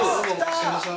すみません。